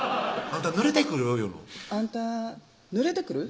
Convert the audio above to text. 「あんた濡れてくる？」